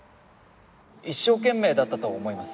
一生懸命だったと思います。